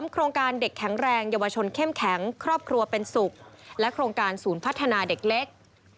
โครงการเด็กแข็งแรงเยาวชนเข้มแข็งครอบครัวเป็นสุขและโครงการศูนย์พัฒนาเด็กเล็ก